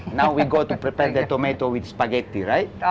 sekarang kita akan menyiapkan tomat dengan spaghetti bukan